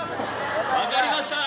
分かりました。